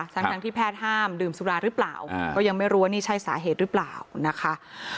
ทั้งที่แพทย์ห้ามดื่มสุราหรือเปล่าก็ยังไม่รู้ว่านี่ใช่สาเหตุหรือเปล่านะคะ